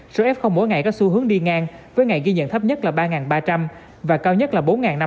số f mỗi ngày có xu hướng đi ngang với ngày ghi nhận thấp nhất là ba ba trăm linh và cao nhất là bốn năm trăm chín mươi hai